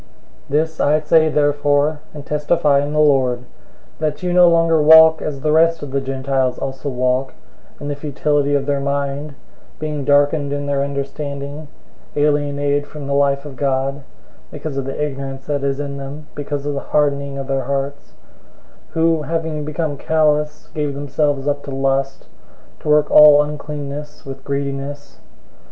004:017 This I say therefore, and testify in the Lord, that you no longer walk as the rest of the Gentiles also walk, in the futility of their mind, 004:018 being darkened in their understanding, alienated from the life of God, because of the ignorance that is in them, because of the hardening of their hearts; 004:019 who having become callous gave themselves up to lust, to work all uncleanness with greediness.